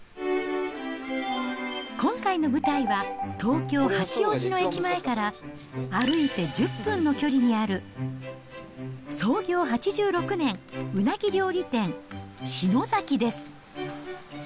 今回の舞台は、東京・八王子の駅前から歩いて１０分の距離にある、創業８６年、うなぎ料理店、志乃ざきです。